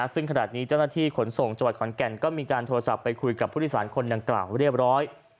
ซึ่งขณะนี้เจ้าหน้าที่ขนส่งจังหวัดขอนแก่นก็มีการโทรศัพท์ไปคุยกับผู้โดยสารคนดังกล่าวเรียบร้อย